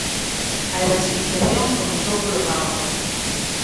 A evanxelización comezou polo párroco.